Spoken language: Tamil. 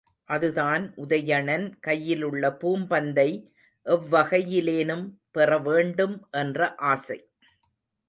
அதுதான் உதயணன் கையிலுள்ள பூம்பந்தை எவ்வகையிலேனும் பெற வேண்டும் என்ற ஆசை.